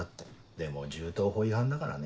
でも銃刀法違反だからね。